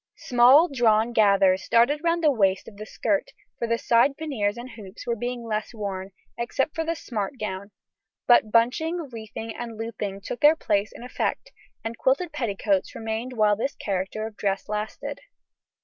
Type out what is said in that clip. Small drawn gathers started round the waist of the skirt, for the side panniers and hoops were being less worn, except for the "smart gown," but bunching, reefing, and looping took their place in effect, and quilted petticoats remained while this character of dress lasted.